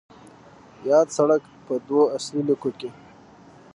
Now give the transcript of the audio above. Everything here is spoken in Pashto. یاد سړک په دوو اصلي لیکو کې